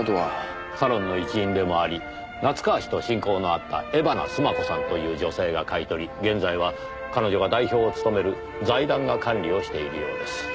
サロンの一員でもあり夏河氏と親交のあった江花須磨子さんという女性が買い取り現在は彼女が代表を務める財団が管理をしているようです。